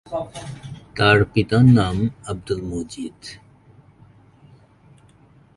তার পিতার নাম আব্দুল মজিদ।